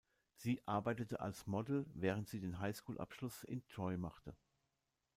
Sie arbeitete als Model, während sie den Highschool-Abschluss in Troy machte.